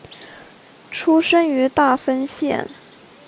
出身于大分县。